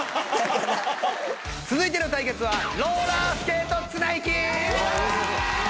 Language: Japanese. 続いての対決は。